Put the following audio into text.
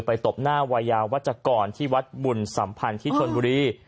ตบหน้าวัยยาวัชกรที่วัดบุญสัมพันธ์ที่ชนบุรี